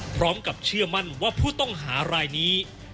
พร้อมกับเชื่อมั่นว่าผู้ต้องหารายนี้